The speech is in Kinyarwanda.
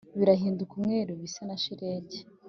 birahinduka umweru bise na shelegi